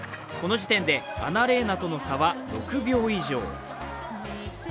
この時点でアナレーナとの差は６秒以上。